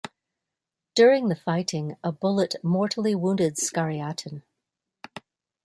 During the fighting, a bullet mortally wounded Skariatin.